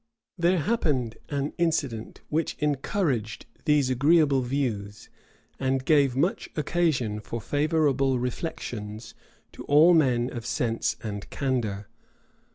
There happened an incident which encouraged these agreeable views, and gave much occasion for favorable reflections to all men of sense and candor.